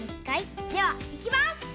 ではいきます！